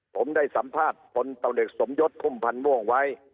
ผมได้สัมภาษณ์พลตำรวจสมยศพุ่มพันธ์ม่วงไว้